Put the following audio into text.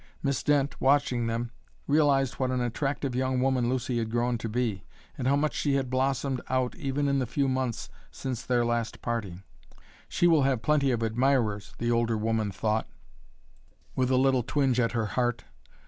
Miss Dent, watching them, realized what an attractive young woman Lucy had grown to be, and how much she had blossomed out even in the few months since their last parting. "She will have plenty of admirers," the older woman thought, with a little twinge at her heart.